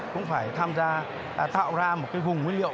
cũng phải tham gia tạo ra một cái vùng nguyên liệu